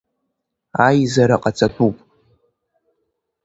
Аизара ҟаҵатәуп.